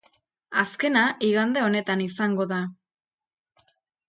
Azkena igande honetan izango da.